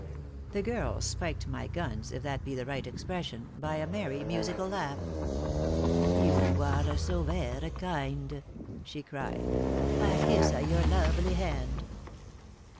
The girl spiked my guns if that be the right expression by a merry, musical laugh. "You are so vera kind!" she cried. "I kissa your lovely hand."